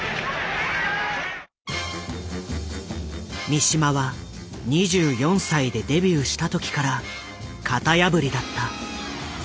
三島は２４歳でデビューした時から型破りだった。